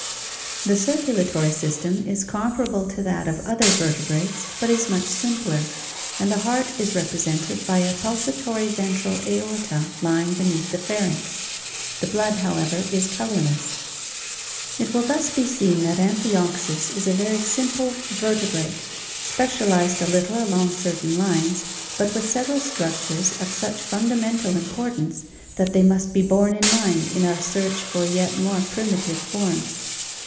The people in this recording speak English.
The circulatory system is comparable to that of other vertebrates but is much simpler, and the heart is represented by a pulsatory ventral aorta lying beneath the pharynx. The blood, however, is colorless. 472 ORGANIC EVOLUTION It will thus be seen that Amphioxus is a very simple "verte brate/' specialized a little along certain lines, but with several structures of such fundamental importance that they must be borne in mind in our search for yet more primitive forms.